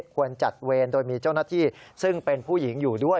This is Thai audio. ควรจัดเวรโดยมีเจ้าหน้าที่ซึ่งเป็นผู้หญิงอยู่ด้วย